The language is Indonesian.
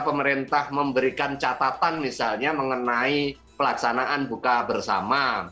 pemerintah memberikan catatan misalnya mengenai pelaksanaan buka bersama